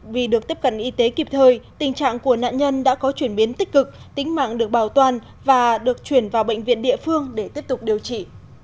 vì được tiếp cận y tế kịp thời tình trạng của nạn nhân đã có chuyển biến tích cực tính mạng được bảo toàn và được chuyển vào bệnh viện địa phương để tiếp tục điều trị